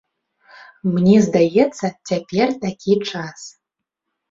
Мне здаецца, цяпер такі час.